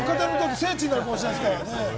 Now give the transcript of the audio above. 聖地になるかもしれませんね。